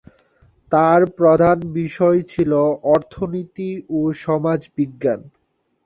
তার প্রধান বিষয় ছিল অর্থনীতি ও সমাজবিজ্ঞান।